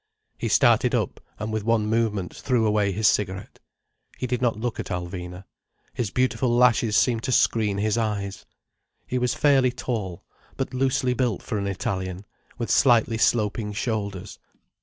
He started up, and with one movement threw away his cigarette. He did not look at Alvina. His beautiful lashes seemed to screen his eyes. He was fairly tall, but loosely built for an Italian, with slightly sloping shoulders.